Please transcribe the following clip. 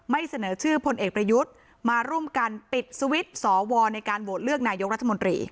เสนอชื่อพลเอกประยุทธ์มาร่วมกันปิดสวิตช์สวในการโหวตเลือกนายกรัฐมนตรี